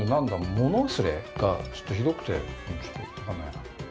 物忘れがちょっとひどくてうんちょっとわかんないな。